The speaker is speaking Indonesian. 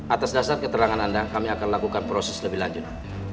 atas dasar keterangan anda kami akan lakukan proses lebih lanjut